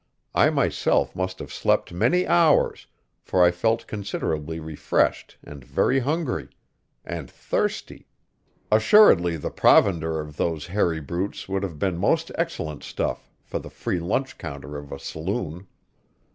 I myself must have slept many hours, for I felt considerably refreshed and very hungry. And thirsty; assuredly the provender of those hairy brutes would have been most excellent stuff for the free lunch counter of a saloon.